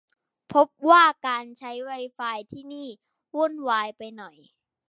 พบว่าการใช้ไวไฟที่นี่วุ่นวายไปหน่อย